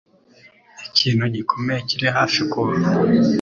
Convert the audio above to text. Ikintu gikomeye kiri hafi kuba.